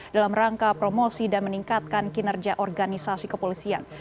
dalam rangka promosi dan meningkatkan kinerja organisasi kepolisian